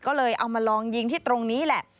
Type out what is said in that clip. ก็เลยเอามาลองยิงที่ตรงนี้แหละ